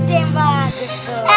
ya bagus tuh